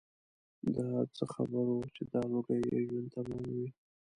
دای څه خبر و چې دا لوګي یې ژوند تماموي.